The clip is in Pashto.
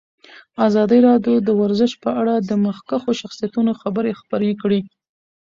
ازادي راډیو د ورزش په اړه د مخکښو شخصیتونو خبرې خپرې کړي.